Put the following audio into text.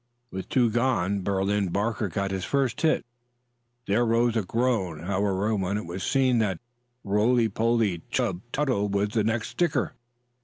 With two gone, Berlin Barker got his first hit. There rose a groan, however, when it was seen that roly poly Chub Tuttle was the next sticker.